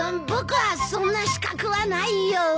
僕はそんな資格はないよ。